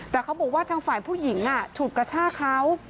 แต่เขาบอกว่าทางฝ่ายผู้หญิงฉุดกระชากเขา